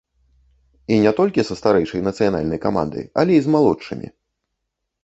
І не толькі са старэйшай нацыянальнай камандай, але і з малодшымі.